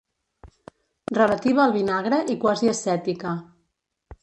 Relativa al vinagre i quasi ascètica.